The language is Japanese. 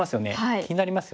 気になりますよね。